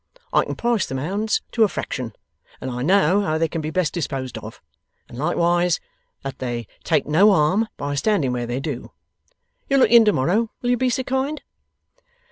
I can price the Mounds to a fraction, and I know how they can be best disposed of; and likewise that they take no harm by standing where they do. You'll look in to morrow, will you be so kind?